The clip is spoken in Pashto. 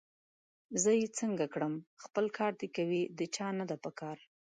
زه یې څنګه کړم! خپل کار دي کوي، د چا نه ده پکار